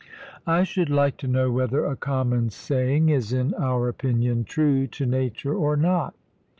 I should like to know whether a common saying is in our opinion true to nature or not.